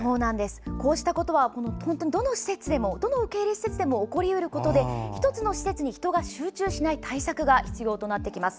こうしたことはどの受け入れ施設でも起こり得ることで１つの施設に人が集中しない対策が必要となってきます。